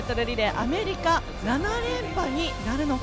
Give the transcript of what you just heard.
アメリカの７連覇になるのか。